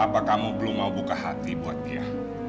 apa kamu belum mau buka hati buat dia